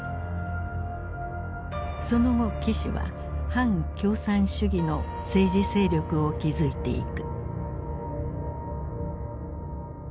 その後岸は反共産主義の政治勢力を築いていく。